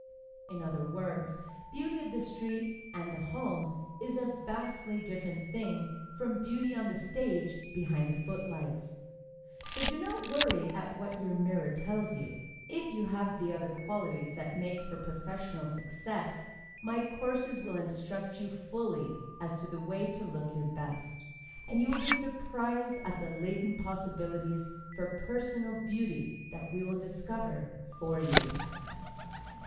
In other words, beauty of the street and the home is a vastly different thing from beauty on the stage behind the footlights. So do not worry at what your mirror tells you. If you have the other qualities that make for professional success, my courses will instruct you fully as to the way to look your best, and you will be surprised at the latent possibilities for personal beauty that we will discover for you.